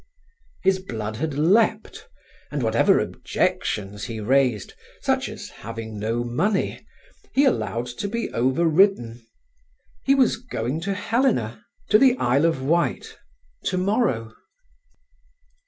His blood had leapt, and whatever objections he raised, such as having no money, he allowed to be overridden. He was going to Helena, to the Isle of Wight, tomorrow.